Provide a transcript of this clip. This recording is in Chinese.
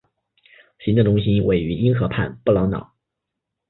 行政中心位于因河畔布劳瑙。